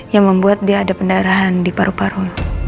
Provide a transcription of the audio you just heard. yang membuat dia ada pendarahan di paru paru